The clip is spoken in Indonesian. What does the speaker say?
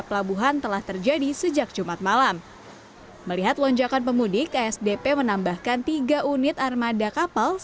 pelabuhan telah terjadi sejak jumat malam melihat lonjakan pemudik asdp menambahkan tiga unit pemudikan lompat rp seratus per jam dan rp seratus per jam